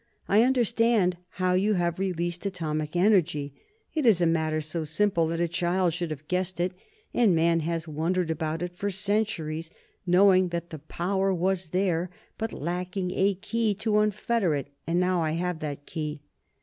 I understand how you have released atomic energy; it is a matter so simple that a child should have guessed it, and man has wondered about it for centuries, knowing that the power was there, but lacking a key to unfetter it. And now I have that key!"